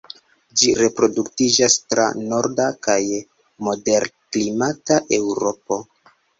Ĝi reproduktiĝas tra norda kaj moderklimata Eŭropo.